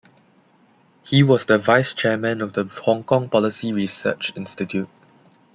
He was the vice-chairman of the Hong Kong Policy Research Institute.